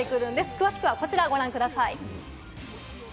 詳しくはこちらをご覧ください。